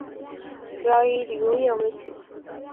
主要以旅游业为主。